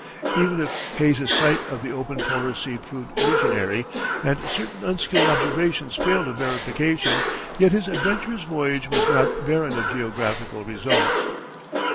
Even if Hayes's sight of the Open Polar Sea proved visionary, and certain unskilled observations failed of verification, yet his adventurous voyage was not barren of geographical results.